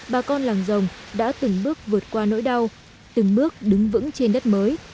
bà con làng rồng đã từng bước vượt qua nỗi đau từng bước đứng vững trên đất mới